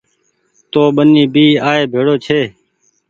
تو ٻني بي آئي ڀيڙو ڇي